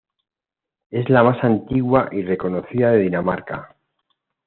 Es la más antigua y reconocida de Dinamarca.